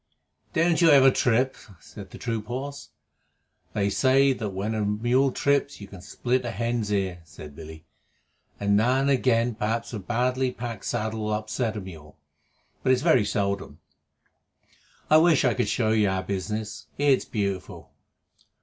"Don't you ever trip?" said the troop horse. "They say that when a mule trips you can split a hen's ear," said Billy. "Now and again perhaps a badly packed saddle will upset a mule, but it's very seldom. I wish I could show you our business. It's beautiful.